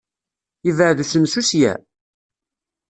Yebɛed usensu ssya?